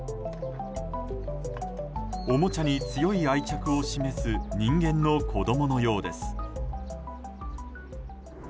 おもちゃに強い愛着を示す人間の子供のようです。